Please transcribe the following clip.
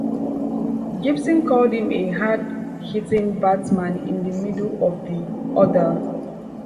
Gibson called him as a "hard-hitting batsman in the middle of the order".